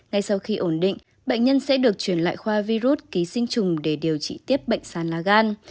ngay sau khi ổn định bệnh nhân sẽ được chuyển lại khoa virus ký sinh trùng để điều trị tiếp bệnh sán lá gan